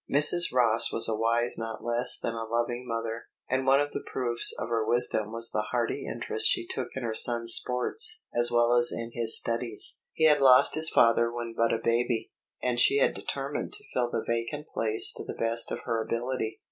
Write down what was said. Mrs. Ross was a wise not less than a loving mother, and one of the proofs of her wisdom was the hearty interest she took in her son's sports as well as in his studies. He had lost his father when but a baby, and she had determined to fill the vacant place to the best of her ability.